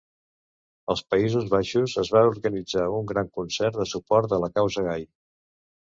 Als Països Baixos es va organitzar un gran concert de suport a la causa gai.